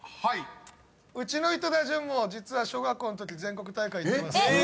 うちの井戸田潤も実は小学校のとき全国大会出てます。